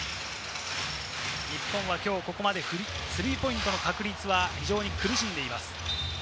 日本は、ここまでスリーポイントの確率は非常に苦しんでいます。